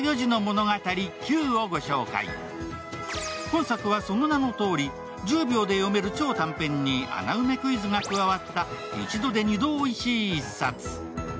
今作はその名のとおり、１０秒で読める超短編に、穴埋めクイズが加わった一度で二度おいしい１冊。